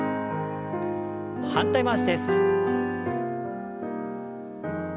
反対回しです。